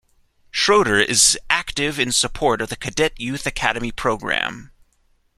Schroder is active in support of the Cadet Youth Academy program.